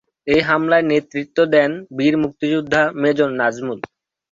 এ হামলায় নেতৃত্ব দেন বীর মুক্তিযোদ্ধা মেজর নাজমুল।